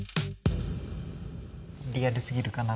リアルすぎるかな？